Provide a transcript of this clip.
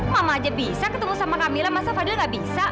mama aja bisa ketemu sama kamila maksudnya fadil nggak bisa